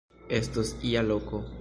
Estos ia loko.